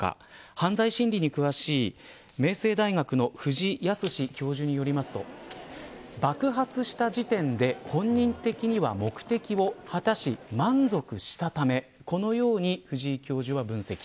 犯罪心理に詳しい明星大学の藤井靖教授によりますと爆発した時点で本人的には目的を果たし満足したためこのように藤井教授は分析。